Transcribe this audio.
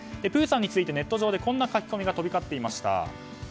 プーさんについてネット上でこんな書き込みが飛び交っていました。